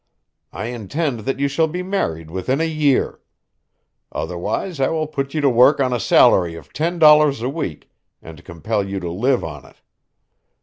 I intend that you shall be married within a year. Otherwise I will put you to work on a salary of ten dollars a week and compel you to live on it.